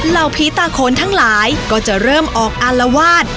เหล่าผีตาโขนทั้งหลายก็จะเริ่มออกอารวาส